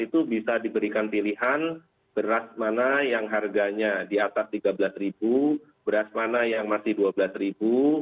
itu bisa diberikan pilihan beras mana yang harganya di atas rp tiga belas beras mana yang masih rp dua belas ribu